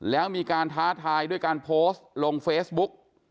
แล้วมีการท้าทายด้วยการโพสต์ลงเฟซบุ๊ก